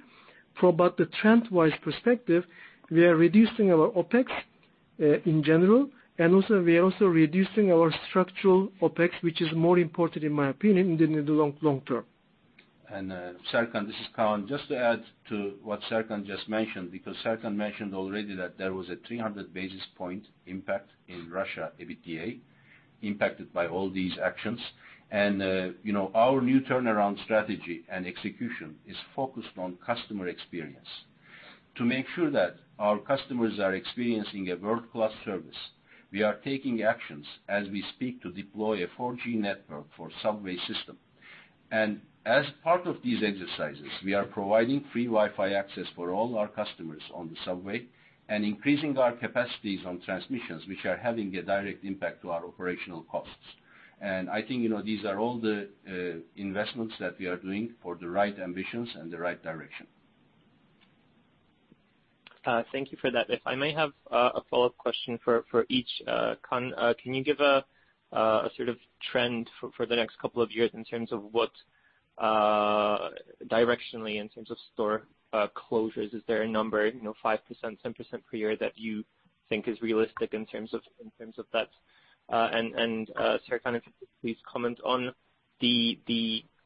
The trend-wise perspective, we are reducing our OpEx in general, and we are also reducing our structural OpEx, which is more important, in my opinion, in the long term. Serkan, this is Kaan. Just to add to what Serkan just mentioned, because Serkan mentioned already that there was a 300 basis point impact in Russia EBITDA impacted by all these actions. Our new turnaround strategy and execution is focused on customer experience. To make sure that our customers are experiencing a world-class service, we are taking actions as we speak to deploy a 4G network for subway system. As part of these exercises, we are providing free Wi-Fi access for all our customers on the subway and increasing our capacities on transmissions, which are having a direct impact to our operational costs. I think these are all the investments that we are doing for the right ambitions and the right direction. Thank you for that. If I may have a follow-up question for each. Kaan, can you give a sort of trend for the next couple of years in terms of what directionally in terms of store closures? Is there a number, 5%, 10% per year that you think is realistic in terms of that? Serkan, if you could please comment on the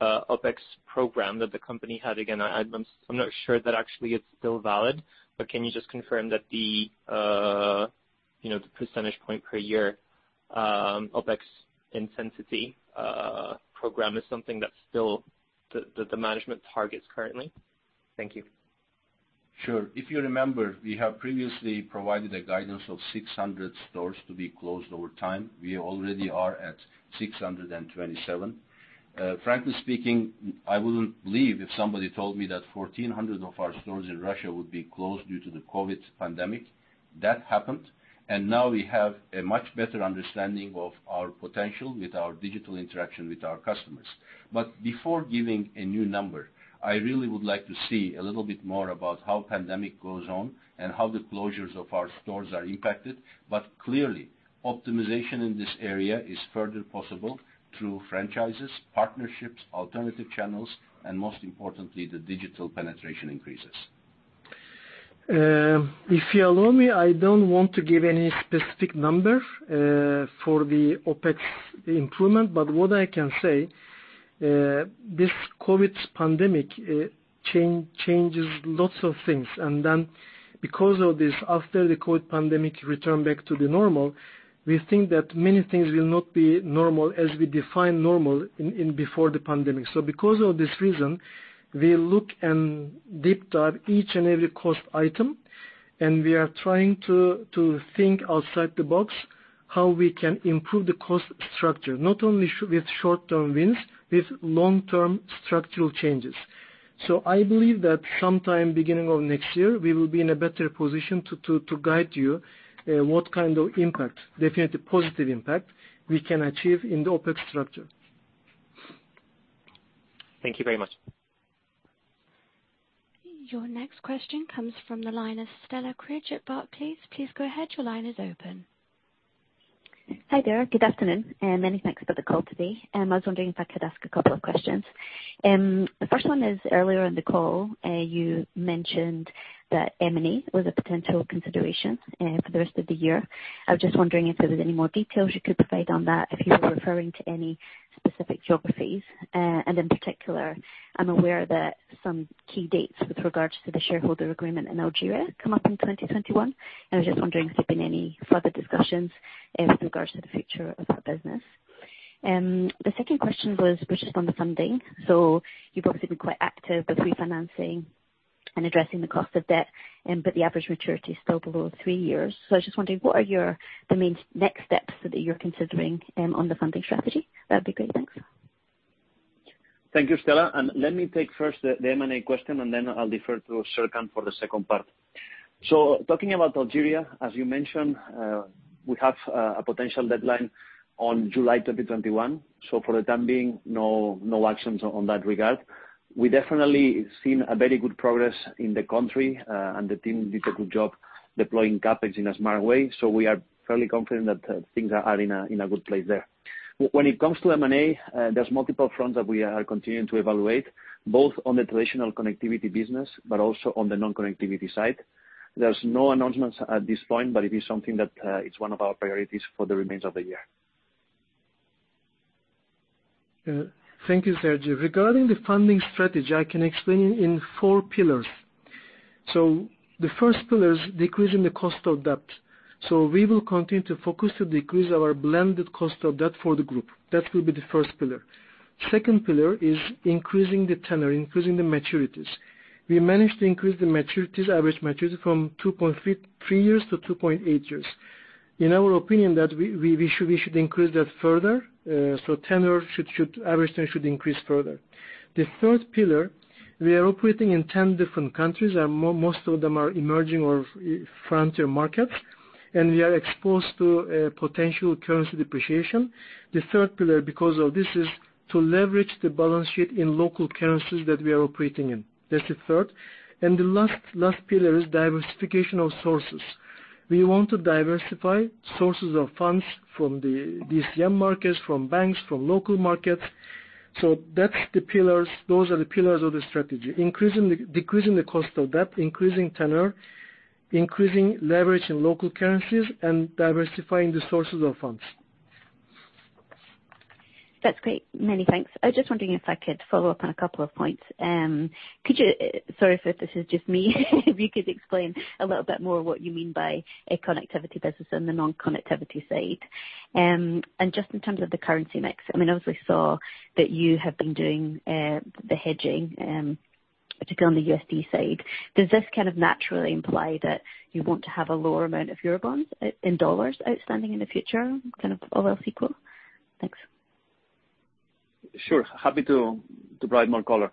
OpEx program that the company had. Again, I'm not sure that actually it's still valid, but can you just confirm that the percentage point per year OpEx intensity program is something that the management targets currently? Thank you. Sure. If you remember, we have previously provided a guidance of 600 stores to be closed over time. We already are at 627. Frankly speaking, I wouldn't believe if somebody told me that 1,400 of our stores in Russia would be closed due to the COVID pandemic. That happened, and now we have a much better understanding of our potential with our digital interaction with our customers. But before giving a new number, I really would like to see a little bit more about how pandemic goes on and how the closures of our stores are impacted. But clearly, optimization in this area is further possible through franchises, partnerships, alternative channels, and most importantly, the digital penetration increases. If you allow me, I don't want to give any specific number for the OpEx improvement, but what I can say, this COVID pandemic changes lots of things. Because of this, after the COVID pandemic return back to the normal, we think that many things will not be normal as we define normal in before the pandemic. Because of this reason, we look and deep dive each and every cost item, and we are trying to think outside the box how we can improve the cost structure, not only with short-term wins, with long-term structural changes. I believe that sometime beginning of next year, we will be in a better position to guide you what kind of impact, definitely positive impact, we can achieve in the OpEx structure. Thank you very much. Your next question comes from the line of Stella Cridge at Barclays. Hi there. Good afternoon, and many thanks for the call today. I was wondering if I could ask a couple of questions. The first one is, earlier in the call, you mentioned that M&A was a potential consideration for the rest of the year. I was just wondering if there was any more details you could provide on that, if you were referring to any specific geographies. In particular, I'm aware that some key dates with regards to the shareholder agreement in Algeria come up in 2021, and I was just wondering if there'd been any further discussions with regards to the future of that business. The second question was just on the funding. You've obviously been quite active with refinancing and addressing the cost of debt, but the average maturity is still below three years. I was just wondering, what are the main next steps that you're considering on the funding strategy? That'd be great. Thanks. Thank you, Stella. Let me take first the M&A question, and then I'll defer to Serkan for the second part. Talking about Algeria, as you mentioned, we have a potential deadline on July 2021. For the time being, no actions on that regard. We definitely seen a very good progress in the country, and the team did a good job deploying CapEx in a smart way. We are fairly confident that things are in a good place there. When it comes to M&A, there's multiple fronts that we are continuing to evaluate, both on the traditional connectivity business, but also on the non-connectivity side. There's no announcements at this point, but it is something that it's one of our priorities for the remains of the year. Thank you, Sergi. Regarding the funding strategy, I can explain in four pillars. The first pillar is decreasing the cost of debt. We will continue to focus to decrease our blended cost of debt for the group. That will be the first pillar. Second pillar is increasing the tenor, increasing the maturities. We managed to increase the average maturities from 2.3 years-2.8 years. In our opinion, we should increase that further, so average tenor should increase further. The third pillar, we are operating in 10 different countries, and most of them are emerging or frontier markets, and we are exposed to potential currency depreciation. The third pillar, because of this, is to leverage the balance sheet in local currencies that we are operating in. That's the third. The last pillar is diversification of sources. We want to diversify sources of funds from the DCM markets, from banks, from local markets. Those are the pillars of the strategy. Decreasing the cost of debt, increasing tenor, increasing leverage in local currencies, and diversifying the sources of funds. That's great. Many thanks. I was just wondering if I could follow up on a couple of points. Sorry if this is just me if you could explain a little bit more what you mean by a connectivity business on the non-connectivity side. Just in terms of the currency mix, I mean, obviously saw that you have been doing the hedging, particularly on the USD side. Does this kind of naturally imply that you want to have a lower amount of Eurobonds in $ outstanding in the future, kind of all else equal? Thanks. Sure. Happy to provide more color.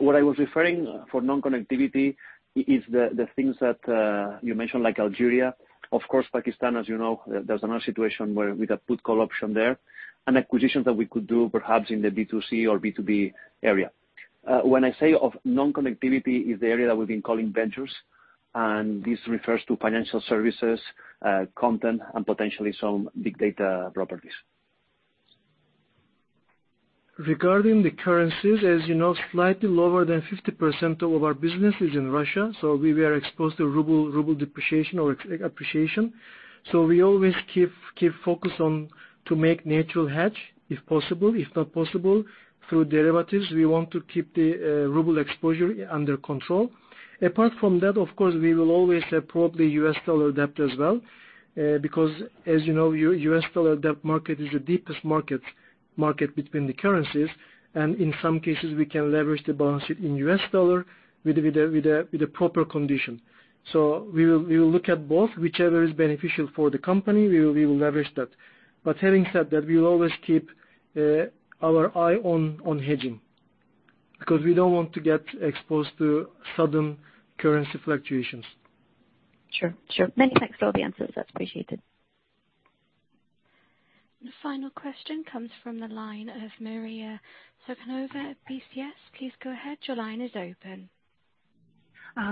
What I was referring for non-connectivity is the things that you mentioned, like Algeria. Of course, Pakistan, as you know, there's another situation with a put call option there, and acquisitions that we could do perhaps in the D2C or B2B area. When I say of non-connectivity is the area that we've been calling ventures, and this refers to financial services, content, and potentially some big data properties. Regarding the currencies, as you know, slightly lower than 50% of our business is in Russia, we are exposed to RUB depreciation or appreciation. We always keep focus on to make natural hedge if possible. If not possible, through derivatives, we want to keep the RUB exposure under control. Apart from that, of course, we will always have probably U.S. dollar debt as well, because as you know, U.S. dollar debt market is the deepest market between the currencies, and in some cases, we can leverage the balance sheet in U.S. dollar with the proper condition. We will look at both. Whichever is beneficial for the company, we will leverage that. Having said that, we will always keep our eye on hedging, because we don't want to get exposed to sudden currency fluctuations. Sure. Many thanks for all the answers. That is appreciated. The final question comes from the line of Maria Sukhanova at BCS. Please go ahead. Your line is open.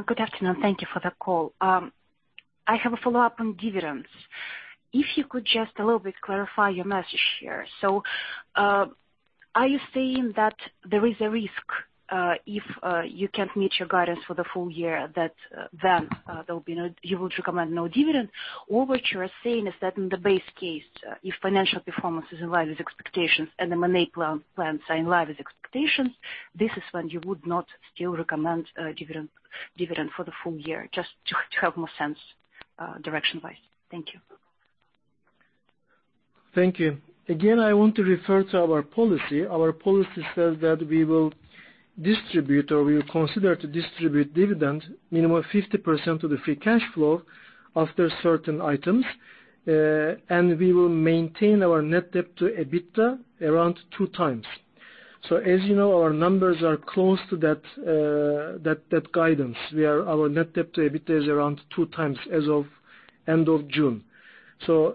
Good afternoon. Thank you for the call. I have a follow-up on dividends. If you could just a little bit clarify your message here. Are you saying that there is a risk if you can't meet your guidance for the full year that then you would recommend no dividend? Or what you are saying is that in the base case, if financial performance is in line with expectations and the M&A plans are in line with expectations, this is when you would not still recommend a dividend for the full year? Just to have more sense direction-wise. Thank you. Thank you. Again, I want to refer to our policy. Our policy says that we will distribute, or we will consider to distribute dividend minimum 50% of the free cash flow after certain items. We will maintain our net debt to EBITDA around two times. As you know, our numbers are close to that guidance, our net debt to EBITDA is around two times as of end of June.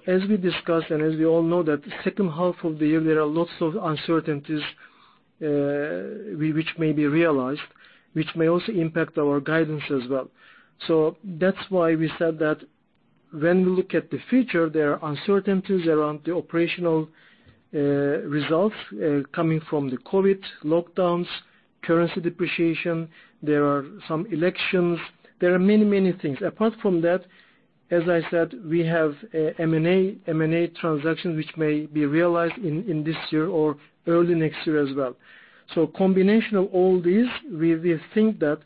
As we discussed, and as we all know that the second half of the year, there are lots of uncertainties which may be realized, which may also impact our guidance as well. That's why we said that when we look at the future, there are uncertainties around the operational results coming from the COVID lockdowns, currency depreciation. There are some elections. There are many things. Apart from that, as I said, we have a M&A transaction which may be realized in this year or early next year as well. Combination of all these, we think that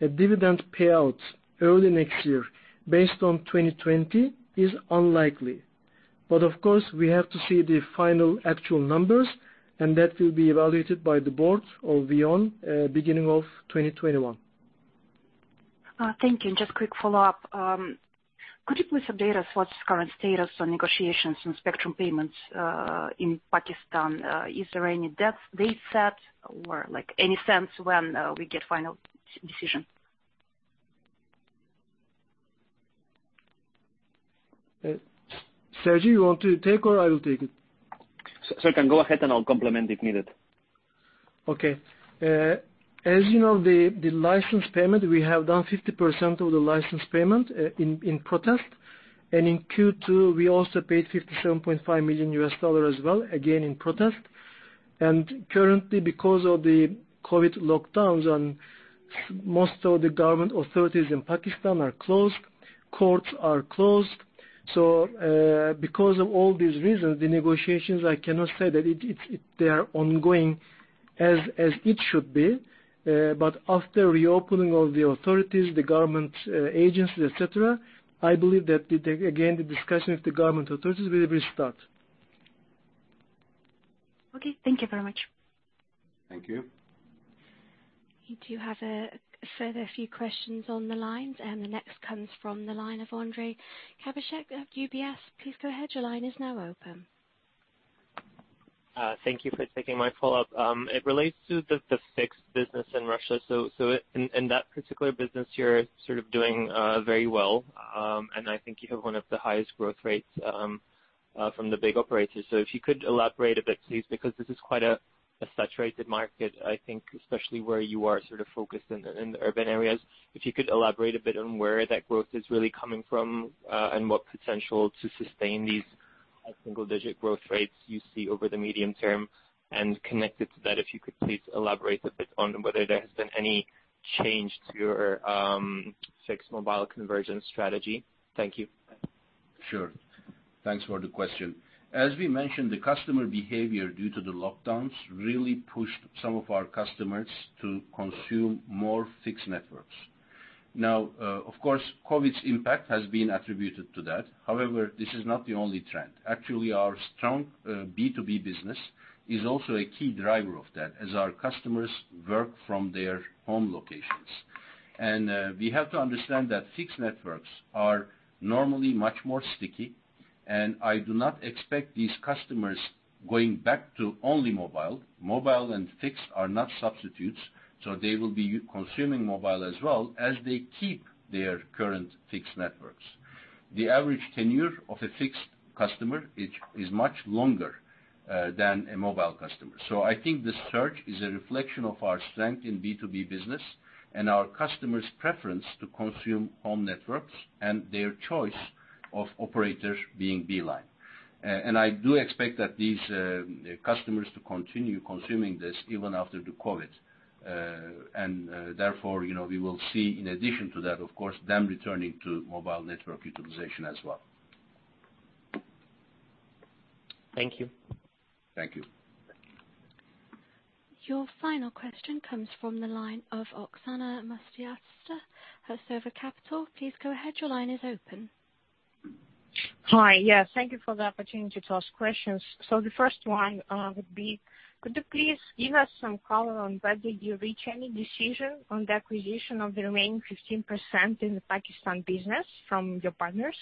a dividend payout early next year based on 2020 is unlikely. Of course, we have to see the final actual numbers, and that will be evaluated by the board of VEON beginning of 2021. Thank you. Just quick follow-up. Could you please update us what's current status on negotiations on spectrum payments in Pakistan? Is there any date set or any sense when we get final decision? Sergi, you want to take or I will take it? Serkan, go ahead and I'll complement if needed. Okay. As you know, the license payment, we have done 50% of the license payment in protest. In Q2, we also paid $57.5 million as well, again in protest. Currently because of the COVID-19 lockdowns and most of the government authorities in Pakistan are closed, courts are closed. Because of all these reasons, the negotiations, I cannot say that they are ongoing as it should be. After reopening of the authorities, the government agencies, et cetera, I believe that again, the discussion with the government authorities will restart. Okay. Thank you very much. Thank you. We do have a further few questions on the lines. The next comes from the line of Andrey Krivoshik of UBS. Please go ahead. Your line is now open. Thank you for taking my follow-up. It relates to the fixed business in Russia. In that particular business, you're sort of doing very well. I think you have one of the highest growth rates from the big operators. If you could elaborate a bit, please, because this is quite a saturated market, I think especially where you are sort of focused in the urban areas. If you could elaborate a bit on where that growth is really coming from, and what potential to sustain these high single digit growth rates you see over the medium term. Connected to that, if you could please elaborate a bit on whether there has been any change to your fixed-mobile convergence strategy. Thank you. Sure. Thanks for the question. As we mentioned, the customer behavior due to the lockdowns really pushed some of our customers to consume more fixed networks. Of course, COVID's impact has been attributed to that. This is not the only trend. Actually, our strong B2B business is also a key driver of that as our customers work from their home locations. We have to understand that fixed networks are normally much more sticky, and I do not expect these customers going back to only mobile. Mobile and fixed are not substitutes, so they will be consuming mobile as well as they keep their current fixed networks. The average tenure of a fixed customer is much longer than a mobile customer. I think this surge is a reflection of our strength in B2B business and our customers' preference to consume home networks and their choice of operator being Beeline. I do expect that these customers to continue consuming this even after the COVID. Therefore, we will see in addition to that, of course, them returning to mobile network utilization as well. Thank you. Thank you. Your final question comes from the line of Oksana Mustiatsa of Sova Capital. Please go ahead. Your line is open. Hi. Yes, thank you for the opportunity to ask questions. The first one would be, could you please give us some color on whether you reach any decision on the acquisition of the remaining 15% in the Pakistan business from your partners?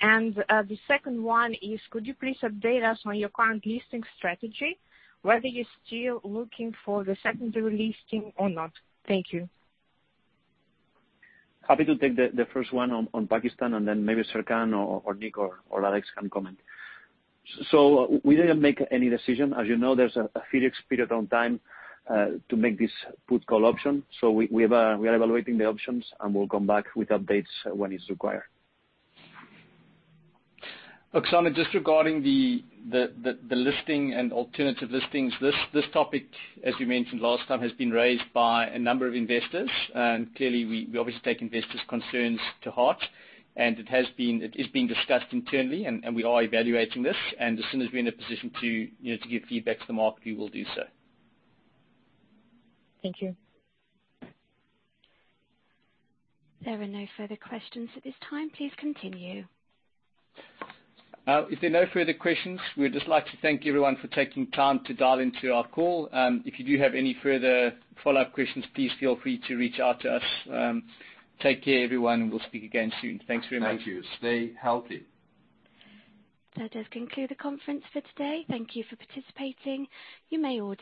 The second one is, could you please update us on your current listing strategy, whether you're still looking for the secondary listing or not? Thank you. Happy to take the first one on Pakistan, and then maybe Serkan or Nik or Alex can comment. We didn't make any decision. As you know, there's a fixed period on time to make this put call option. We are evaluating the options, and we'll come back with updates when it's required. Oksana, just regarding the listing and alternative listings, this topic, as you mentioned last time, has been raised by a number of investors. Clearly, we obviously take investors' concerns to heart. It is being discussed internally, and we are evaluating this. As soon as we're in a position to give feedback to the market, we will do so. Thank you. There are no further questions at this time. Please continue. If there are no further questions, we'd just like to thank everyone for taking time to dial into our call. If you do have any further follow-up questions, please feel free to reach out to us. Take care everyone, and we'll speak again soon. Thanks very much. Thank you. Stay healthy. That does conclude the conference for today. Thank you for participating. You may all disconnect.